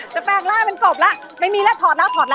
จะแปลงราวเป็นกบแล้วไม่มีแล้วถอดแล้ว